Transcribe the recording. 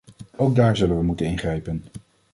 Ook daar zullen we moeten ingrijpen.